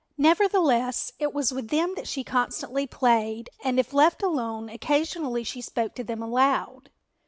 Nevertheless, it was with them that she constantly played and, if left alone, occasionally she spoke to them aloud.